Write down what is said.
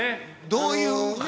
どういう話。